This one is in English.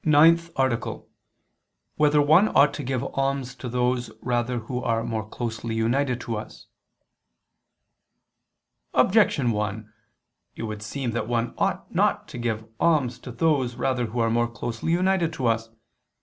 _______________________ NINTH ARTICLE [II II, Q. 32, Art. 9] Whether One Ought to Give Alms to Those Rather Who Are More Closely United to Us? Objection 1: It would seem that one ought not to give alms to those rather who are more closely united to us.